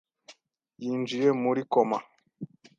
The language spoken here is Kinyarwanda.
yinjiye muri koma.